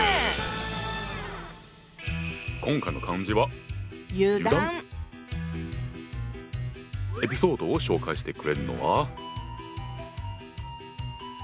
今回の漢字はエピソードを紹介してくれるのは。